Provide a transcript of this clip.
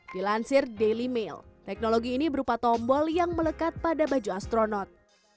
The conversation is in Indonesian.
dilansir daily meal teknologi ini berupa tombol yang melekat pada baju astronot